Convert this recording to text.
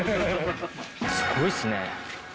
すごいっすね。